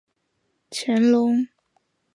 乾隆十二年因年老患病致仕。